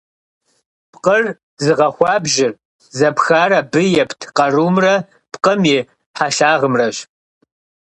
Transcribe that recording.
Пкъыр зыгъэхуабжьыр зэпхар абы епт къарумрэ пкъым и хьэлъагъымрэщ.